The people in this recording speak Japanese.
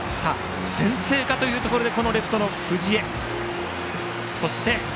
先制かというところでレフトの藤江からの返球。